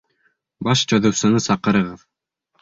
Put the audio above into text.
Баш төҙөүсене саҡырығыҙ!